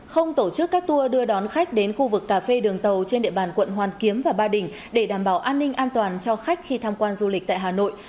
không tổ chức các tour đưa đón khách đến khu vực cà phê đường tàu trên địa bàn quận hoàn kiếm và ba đình để đảm bảo an ninh an toàn cho khách khi tham quan du lịch tại hà nội